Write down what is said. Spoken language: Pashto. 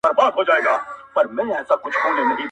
هره شپه به وي خپړي په نوکرځو؛